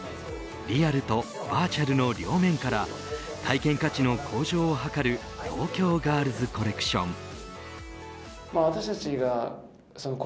リアルとバーチャルの両面から体験価値の向上を図る東京ガールズコレクション。